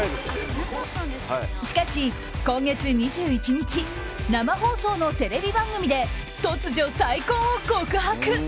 しかし、今月２１日生放送のテレビ番組で突如、再婚を告白。